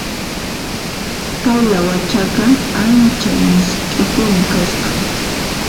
Kay lawachaqa ancha misk'ipuni kasqa.